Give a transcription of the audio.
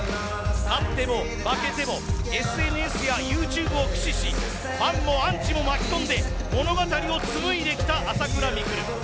勝っても、負けてもＳＮＳやＹｏｕＴｕｂｅを駆使しファンもアンチも巻き込んで物語を紡いできた朝倉未来。